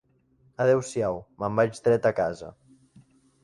Adeu-siau: me'n vaig dret a casa.